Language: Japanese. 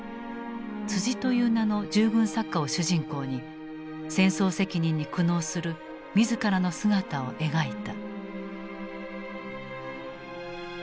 「」という名の従軍作家を主人公に戦争責任に苦悩する自らの姿を描いた。